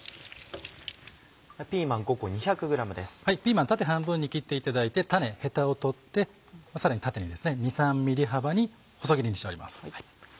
ピーマン縦半分に切っていただいて種ヘタを取ってさらに縦に２３ｍｍ幅に細切りにしております。